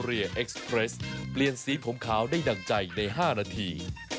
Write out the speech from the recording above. เอ็กซ์เกรสเปลี่ยนสีผมขาวได้ดั่งใจใน๕นาที